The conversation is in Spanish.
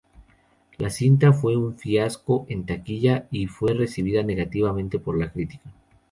La cinta fue un fiasco en taquilla y fue recibida negativamente por la crítica.